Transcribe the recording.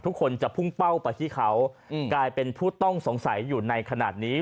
ทุกคนจะพุ่งเป้าไปที่เขากลายเป็นผู้ต้องสงสัยอยู่ในขณะนี้